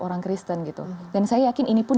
orang kristen gitu dan saya yakin ini pun